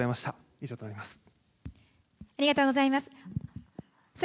以上となります。